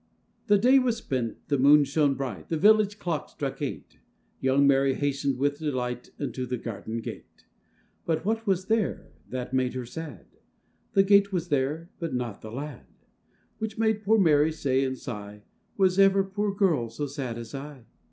{221b}] THE day was spent, the moon shone bright, The village clock struck eight; Young Mary hastened, with delight, Unto the garden gate: But what was there that made her sad?— The gate was there, but not the lad, Which made poor Mary say and sigh, 'Was ever poor girl so sad as I?